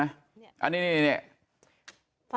มันทำสายขนาดไหนครับช่วยติดตามหน่อยครับ